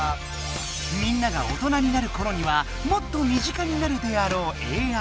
みんなが大人になるころにはもっとみ近になるであろうＡＩ。